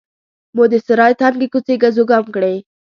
مو د سرای تنګې کوڅې ګزوګام کړې.